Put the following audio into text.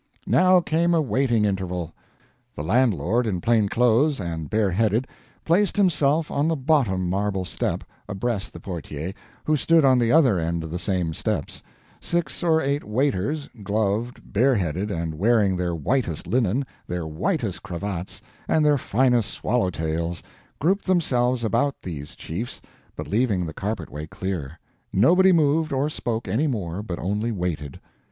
Now came a waiting interval. The landlord, in plain clothes, and bareheaded, placed himself on the bottom marble step, abreast the PORTIER, who stood on the other end of the same steps; six or eight waiters, gloved, bareheaded, and wearing their whitest linen, their whitest cravats, and their finest swallow tails, grouped themselves about these chiefs, but leaving the carpetway clear. Nobody moved or spoke any more but only waited.